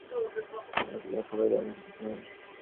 যারা পেটেও খাবে না তারাই পিঠেও সইবে?